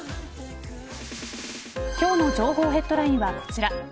今日の情報ヘッドラインはこちら。